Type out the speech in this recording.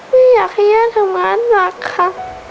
ไม่อยากให้ย่าทำงานหนักค่ะ